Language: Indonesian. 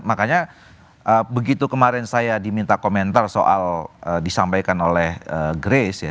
makanya begitu kemarin saya diminta komentar soal disampaikan oleh grace ya